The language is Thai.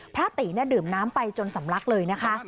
พระตีดื่มน้ำไปจนสำลักเลยนะคะ